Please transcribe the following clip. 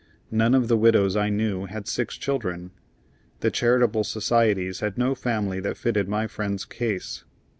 None of the widows I knew had six children. The charitable societies had no family that fitted my friend's case.